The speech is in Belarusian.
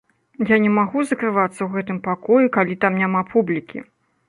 Я не магу закрывацца ў гэтым пакоі, калі там няма публікі.